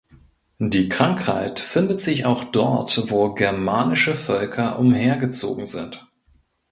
Die Krankheit findet sich auch dort, wo germanische Völker umhergezogen sind.